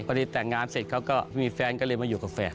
พอดีแต่งงานเสร็จเขาก็มีแฟนก็เลยมาอยู่กับแฟน